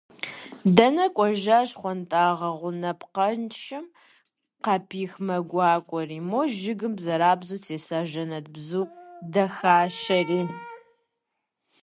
Дэнэ кӏуэжа щхъуантӏагъэ гъунапкъэншэм къапих мэ гуакӏуэри, мо жыгым бзэрабзэу теса жэнэт бзу дахащэри…